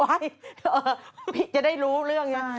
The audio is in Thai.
พี่จะได้รู้เรื่องนี้